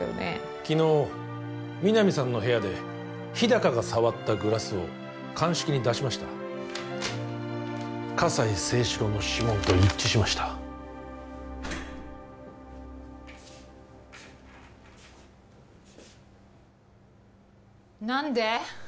昨日皆実さんの部屋で日高が触ったグラスを鑑識に出しました葛西征四郎の指紋と一致しました何で？